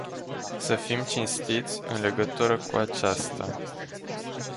Să fim cinstiți în legătură cu aceasta.